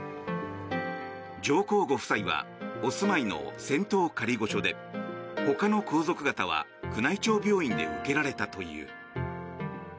上皇ご夫妻はお住まいの仙洞仮御所でほかの皇族方は宮内庁病院で受けられたという。